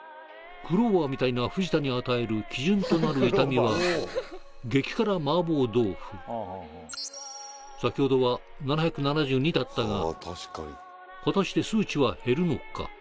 クローバーみたいな藤田に与える基準となる痛みは激辛麻婆豆腐先ほどは７７２だったが果たして数値は減るのか？